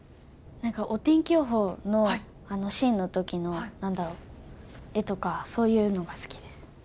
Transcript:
なんかお天気予報のシーンのときの、なんだろう、絵とか、そういうのが好きです。